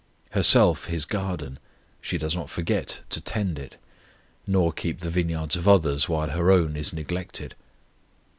Herself His garden, she does not forget to tend it, nor keep the vineyards of others while her own is neglected.